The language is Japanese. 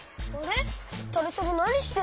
ふたりともなにしてるの？